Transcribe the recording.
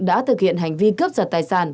đã thực hiện hành vi cướp giật tài sản